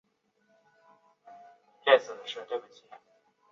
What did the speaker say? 该地在行政区划上属于北荷兰省。